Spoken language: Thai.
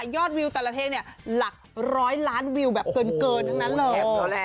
วิวแต่ละเพลงเนี่ยหลักร้อยล้านวิวแบบเกินทั้งนั้นเลย